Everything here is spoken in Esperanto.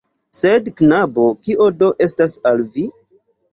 Sed knabo, kio do estas al vi...